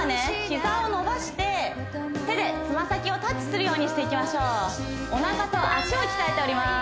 膝を伸ばして手でつま先をタッチするようにしていきましょうおなかと脚を鍛えております